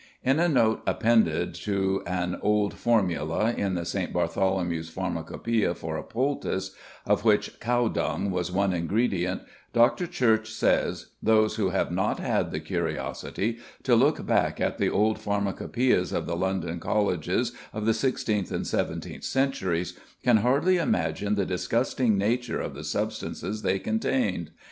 In a note appended to an old formula in the St. Bartholomew's Pharmacopœia for a poultice, of which cow dung was one ingredient, Dr. Church says: "Those who have not had the curiosity to look back at the old Pharmacopœias of the London Colleges of the sixteenth and seventeenth centuries, can hardly imagine the disgusting nature of the substances they contained.